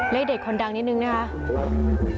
เลขเด็ดคนดังนิดนึงนะคะ